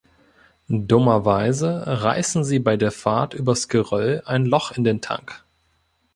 Dummerweise reißen sie bei der Fahrt übers Geröll ein Loch in den Tank.